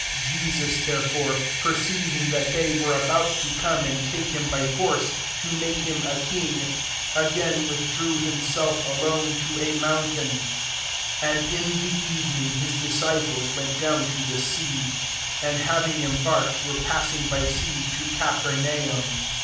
15 Jesus, therefore, perceiving that they were about to come and take him by force, to make him a king, [again] withdrew him self^ alone, to a mountam. 16 And in the evening, his disciples went down to the sea; 17 and having embsurked, were passing by sea, to Capernaum.